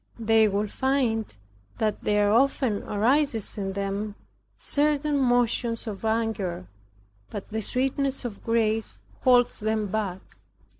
They will find that there often arises in them certain motions of anger, but the sweetness of grace holds them back.